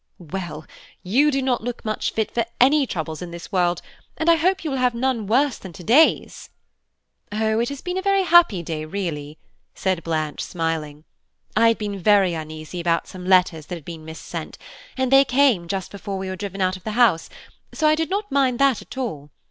"Well, you do not look much fit for any troubles in this world, and I hope you will have none worse than to day's." "Oh! it has been a very happy day really," said Blanche, smiling. "I had been very uneasy about some letters that had been mis sent, and they came just before we were driven out of the house, so I did not mind that at all.